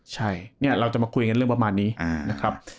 ใช่เนี่ยเราจะมาคุยกันเรื่องประมาณนี้นะครับ